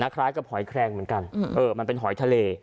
คล้ายกับหอยแครงเหมือนกันมันเป็นหอยทะเล